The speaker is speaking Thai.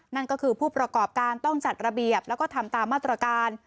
นั่นก็คือผู้ประกอบการต้องจัดระเบียบแล้วก็ทำตามมาตรการ